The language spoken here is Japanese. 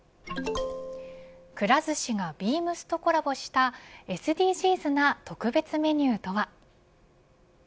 くら寿司がビームスとコラボしたＳＤＧｓが特別メニューとは。